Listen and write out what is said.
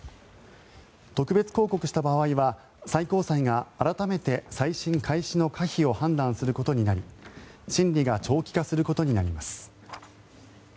特別抗告した場合は最高裁が改めて再審開始の可否を判断することになり、審理が長期化することになります。